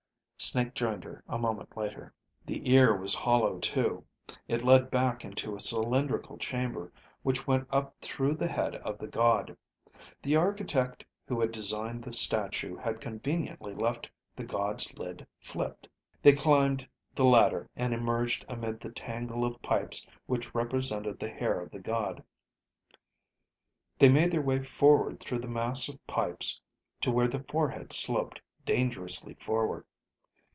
Snake joined her a moment later. The ear was hollow, too. It led back into a cylindrical chamber which went up through the head of the god. The architect who had designed the statue had conveniently left the god's lid flipped. They climbed the ladder and emerged amid the tangle of pipes which represented the hair of the god. They made their way forward through the mass of pipes to where the forehead sloped dangerously forward.